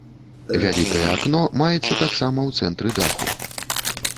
Вялікае акно маецца таксама ў цэнтры даху.